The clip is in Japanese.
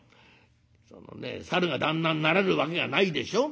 そのねサルが旦那になれるわけがないでしょ。